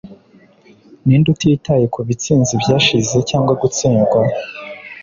ninde utitaye kubitsinzi byashize cyangwa gutsindwa